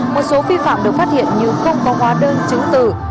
một số phi phạm được phát hiện như không có hóa đơn chứng tự